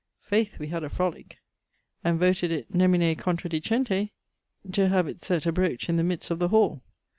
Faith! we had a frolique, and voted it (nemine contradicente) to have itt sett abroach in the midest of the hall.